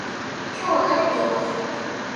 今日は晴れています